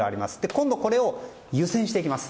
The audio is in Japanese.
今度、これを湯せんしていきます。